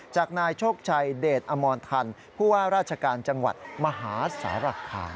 จากนายโชคชัยเดชอมรทันผู้ว่าราชการจังหวัดมหาสารคาม